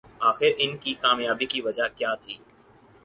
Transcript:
آخر ان کی کامیابی کی وجہ کیا تھی